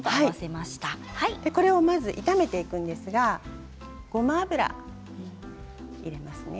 これをまず炒めていくんですがごま油を入れますね。